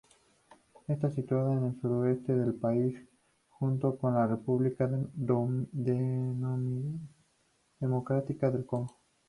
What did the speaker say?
Está situada en el sureste del país, junto con la República Democrática del Congo.